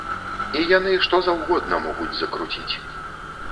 І яны што заўгодна могуць закруціць.